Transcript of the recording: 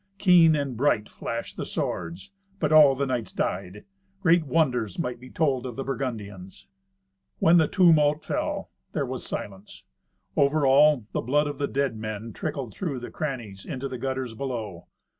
Keen and bright flashed the swords; but all the knights died. Great wonders might be told of the Burgundians. When the tumult fell, there was silence. Over all, the blood of the dead men trickled through the crannies into the gutters below.